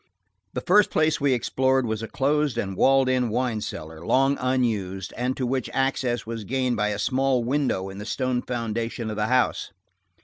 The first place we explored was a closed and walled in wine cellar, long unused, and to which access was gained by a small window in the stone foundation of the house.